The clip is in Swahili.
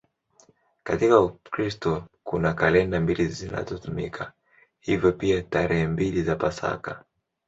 Katika Ukristo kuna kalenda mbili zinazotumika, hivyo pia tarehe mbili za Pasaka.